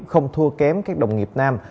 không thua kém các đồng nghiệp nam